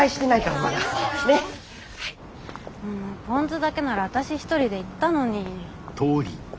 ポン酢だけなら私一人で行ったのに。